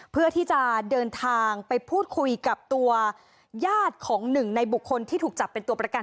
เพื่อที่จะเดินทางไปพูดคุยกับตัวญาติของหนึ่งในบุคคลที่ถูกจับเป็นตัวประกัน